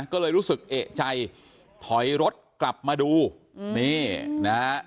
ก็เลยรู้สึกเอกใจถอยรถกลับมาดูนี่นะฮะ